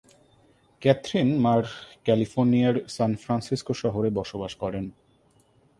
Catherine মা’র ক্যালিফোর্নিয়ার San Francisco শহরে বসবাস করেন।